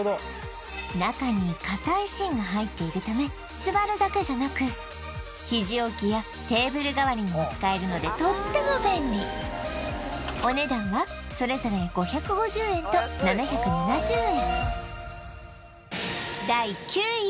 中に硬い芯が入っているため座るだけじゃなく肘置きやテーブル代わりにも使えるのでとっても便利お値段はそれぞれ５５０円と７７０円